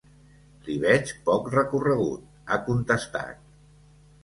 “Li veig poc recorregut”, ha contestat.